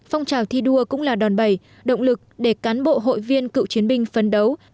phong trào thi đua cũng là đòn bẩy động lực để cán bộ hội viên cựu chiến binh phấn đấu